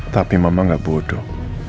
tapi mama gak bodoh